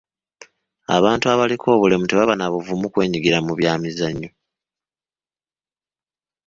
Abantu abaliko obulemu tebaba na buvumu kwenyigira mu byamizannyo.